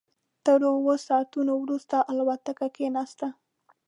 تر اوو ساعتونو وروسته الوتکه کېناسته.